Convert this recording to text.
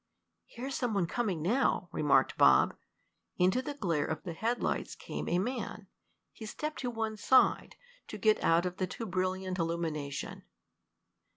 "Here's some one coming now," remarked Bob. Into the glare of the headlights came a man. He stepped to one side, to get out of the too brilliant illumination.